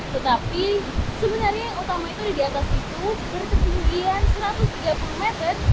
tetapi sebenarnya yang utama itu di atas itu berketinggian satu ratus tiga puluh meter